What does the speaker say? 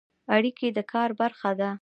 اړیکې د کار برخه ده